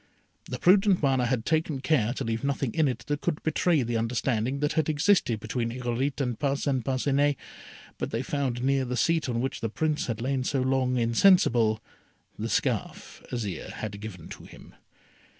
The prudent Mana had taken care to leave nothing in it that could betray the understanding that had existed between Irolite and Parcin Parcinet; but they found near the seat on which the Prince had lain so long insensible, the scarf Azire had given to him.